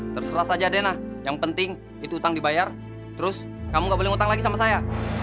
terserah saja deh nah yang penting itu utang dibayar terus kamu gak boleh ngutang lagi sama saya